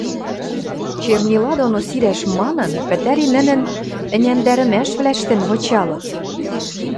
Чернила доно сирӓш манын, пӹтӓри нӹнӹн ӹняндӓрӹмӓшвлӓштӹм вычалыт.